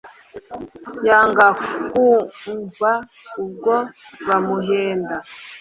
Yanga kwumva ukwo bamuhenda